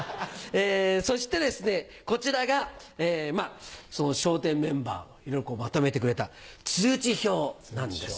そしてですねこちらがその笑点メンバーの魅力をまとめてくれた通知表なんです。